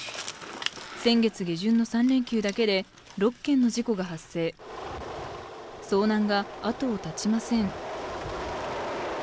先月下旬の３連休だけで６件の事故が発生遭難があとを絶ちません